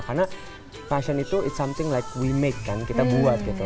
karena fashion itu is something like we make kan kita buat gitu